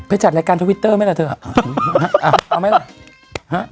จัดรายการทวิตเตอร์ไหมล่ะเถอะเอาไหมล่ะฮะ